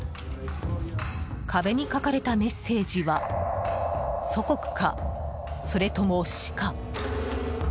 壁に書かれたメッセージは「祖国かそれとも死か」。